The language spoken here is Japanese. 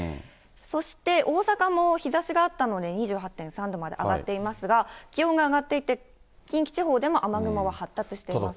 そして大阪も日ざしがあったので２８．３度まで上がっていますが、気温が上がっていて、近畿地方でも雨雲は発達しています。